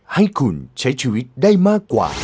ให้คุณใช้ชีวิตได้มากกว่า